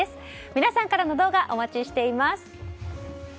皆さんからの動画お待ちしています。